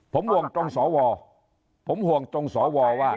ผมห่วงตรงสวผมห่วงตรงสวว่า